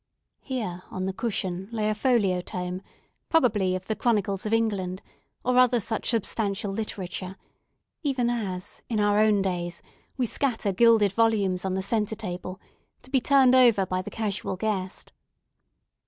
Here, on the cushion, lay a folio tome, probably of the Chronicles of England, or other such substantial literature; even as, in our own days, we scatter gilded volumes on the centre table, to be turned over by the casual guest.